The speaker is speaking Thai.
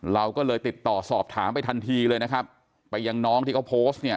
เราก็เลยติดต่อสอบถามไปทันทีเลยนะครับไปยังน้องที่เขาโพสต์เนี่ย